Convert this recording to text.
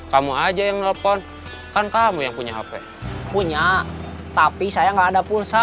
kamu aja yang nelfon kan kamu yang punya hp punya tapi saya nggak ada pulsa